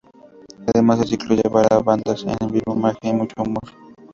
Además, el ciclo llevará bandas en vivo, magia y mucho humor.